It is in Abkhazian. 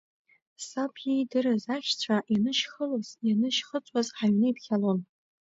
Саб иидырыз ахьшьцәа ианышьхылоз, ианышьхыҵуаз ҳаҩны иԥхьалон.